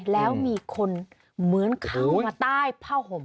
แล้วมีคนเหมือนเข้ามาใต้ผ้าห่ม